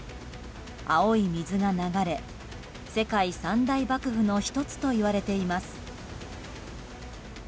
青い水が流れ、世界三大瀑布の１つといわれています。